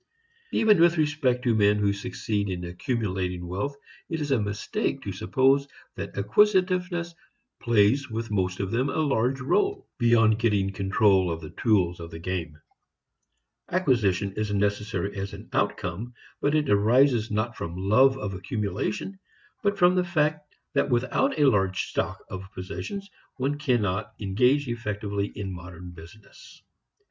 Even with respect to men who succeed in accumulating wealth it is a mistake to suppose that acquisitiveness plays with most of them a large rôle, beyond getting control of the tools of the game. Acquisition is necessary as an outcome, but it arises not from love of accumulation but from the fact that without a large stock of possessions one cannot engage effectively in modern business.